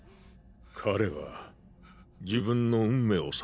彼は自分の運命を悟ったのだよ。